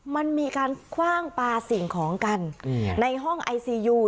มันมีการคว่างปลาสิ่งของกันในห้องไอซียู